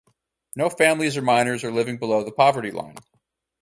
No families or minors are living below the poverty line.